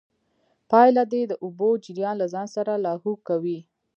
پايله کې د اوبو جريان له ځان سره لاهو کوي.